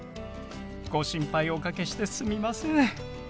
ご心配おかけしてすみません。